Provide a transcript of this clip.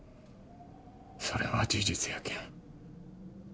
それは事実やけん。